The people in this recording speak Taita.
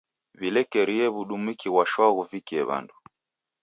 W'ilekerie w'udumiki ghwa shwaa ghuvikie w'andu.